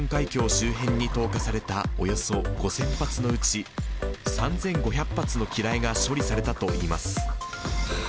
周辺に投下されたおよそ５０００発のうち、３５００発の機雷が処理されたといいます。